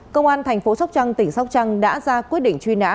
công an thành phố sóc trăng tỉnh sóc trăng đã ra quyết định truy nã